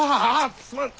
すまん！